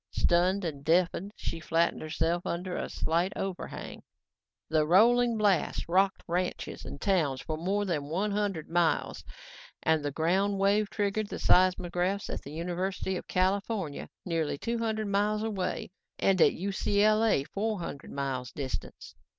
Stunned and deafened, she flattened herself under a slight overhang. The rolling blast rocked ranches and towns for more than one hundred miles and the ground wave triggered the seismographs at the University of California nearly two hundred miles away and at UCLA, four hundred miles distant.